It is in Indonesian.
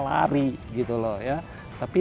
lari gitu loh ya tapi